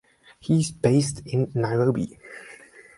He is based in Nairobi.